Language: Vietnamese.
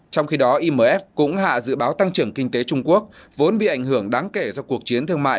trong khi đó imf cũng hạ dự báo tăng trưởng kinh tế trung quốc vốn bị ảnh hưởng đáng kể do cuộc chiến thương mại